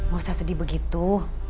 gak usah sedih begitu